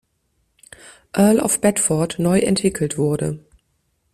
Earl of Bedford, neu entwickelt wurde.